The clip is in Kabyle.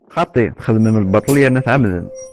Xaṭi! Txeddmem lbaṭel, yerna tɛemdem.